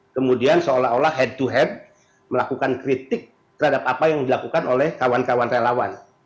kemudian seolah olah head to head melakukan kritik terhadap apa yang dilakukan oleh kawan kawan relawan